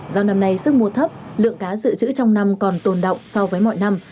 do năm nay sức mua thấp lượng cá dự trữ trong năm còn tồn động so với mọi năm